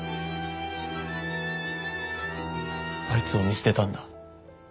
あいつを見捨てたんだ。